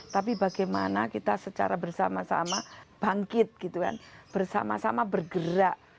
tapi bagaimana kita secara bersama sama bangkit gitu kan bersama sama bergerak